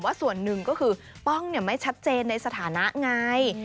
ส่วนหนึ่งก็คือป้องไม่ชัดเจนในสถานะไง